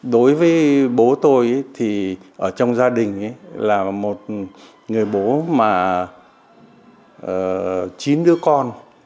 đối với bố tôi thì ở trong gia đình là một người bố mà chín đứa con